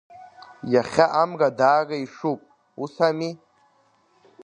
Иахьа амра даара ишуп, усами?